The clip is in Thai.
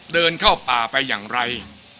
เดินเข้าป่าไปอย่างไร